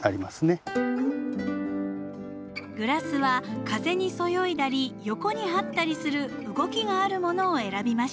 グラスは風にそよいだり横に這ったりする動きがあるものを選びました。